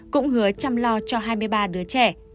cũng hứa chăm lo cho hai mươi ba đứa trẻ